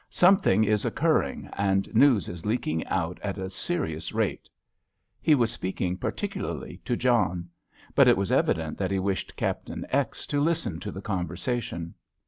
Something is occurring, and news is leaking out at a serious rate." He was speaking particularly to John. But it was evident that he wished Captain X. to listen to the conversation.